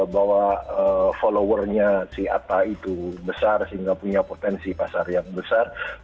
bahwa followernya si atta itu besar sehingga punya potensi pasar yang besar